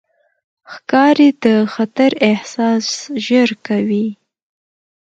ښکاري د خطر احساس ژر کوي.